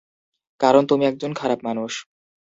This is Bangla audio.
কারণ তুমি একজন খারাপ মানুষ!